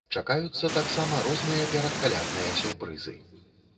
Чакаюцца таксама розныя перадкалядныя сюрпрызы.